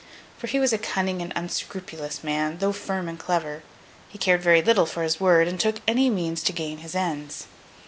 For he was a cunning and unscrupulous man, though firm and clever. He cared very little for his word, and took any means to gain his ends.